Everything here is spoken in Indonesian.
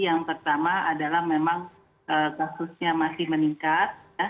yang pertama adalah memang kasusnya masih meningkat